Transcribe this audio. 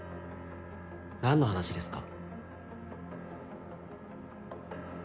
何の話ですか？